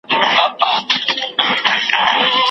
ته به غزل ورته لیکې څوک یې په کار نه لري.